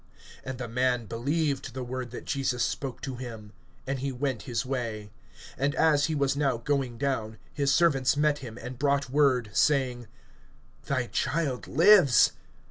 And the man believed the word that Jesus spoke to him, and he went his way. (51)And as he was now going down, his servants met him, and brought word saying: Thy child lives.